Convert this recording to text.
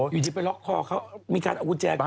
อยู่ที่ไปล็อกคอเค้ามีการเอากุญแจคืน